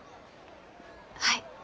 はい。